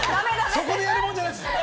そこでやるもんじゃないです。